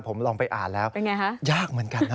ผมลองไปอ่านแล้วยากเหมือนกันนะ